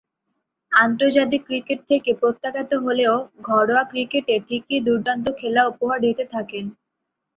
আন্তর্জাতিক ক্রিকেট থেকে প্রত্যাখ্যাত হলেও ঘরোয়া ক্রিকেটে ঠিকই দূর্দান্ত খেলা উপহার দিতে থাকেন।